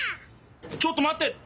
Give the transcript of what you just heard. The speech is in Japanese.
ちょっとまって。